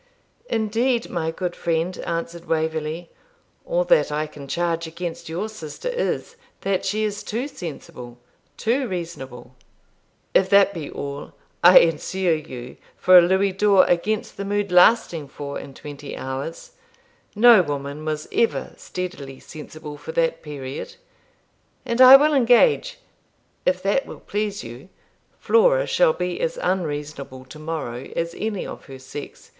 'Indeed, my good friend,' answered Waverley, 'all that I can charge against your sister is, that she is too sensible, too reasonable.' 'If that be all, I ensure you for a louis d'or against the mood lasting four and twenty hours. No woman was ever steadily sensible for that period; and I will engage, if that will please you, Flora shall be as unreasonable to morrow as any of her sex.